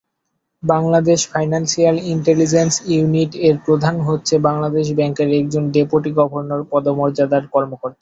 Bangladesh financial intelligence unit এর প্রধান হচ্ছে বাংলাদেশ ব্যাংকের একজন ডেপুটি গভর্নর পদমর্যাদার কর্মকর্তা।